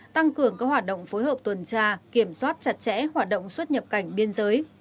tăng cường các hoạt động phối hợp tuần tra kiểm soát chặt chẽ hoạt động xuất nhập cảnh biên giới